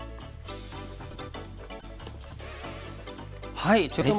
はい。